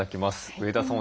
上田さん